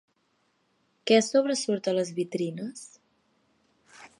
Què sobresurt a les vitrines?